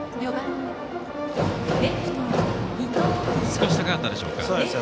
少し高かったでしょうか。